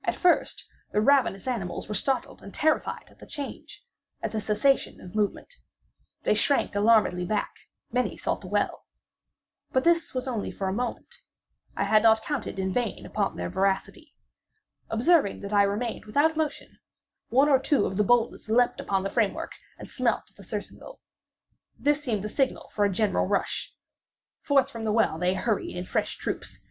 At first the ravenous animals were startled and terrified at the change—at the cessation of movement. They shrank alarmedly back; many sought the well. But this was only for a moment. I had not counted in vain upon their voracity. Observing that I remained without motion, one or two of the boldest leaped upon the frame work, and smelt at the surcingle. This seemed the signal for a general rush. Forth from the well they hurried in fresh troops.